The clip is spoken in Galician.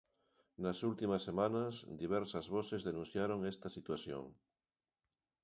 Nas últimas semanas, diversas voces denunciaron esta situación.